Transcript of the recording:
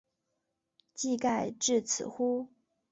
技盖至此乎？